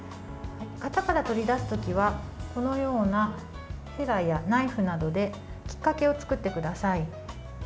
型から取り出す時はこのようなへらやナイフなどできっかけを作ってください。